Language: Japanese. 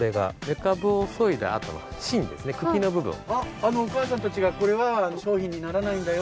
あのお母さんたちが「これは商品にならないんだよ」って。